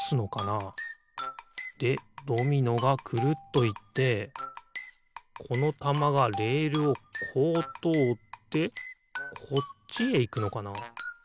でドミノがくるっといってこのたまがレールをこうとおってこっちへいくのかな？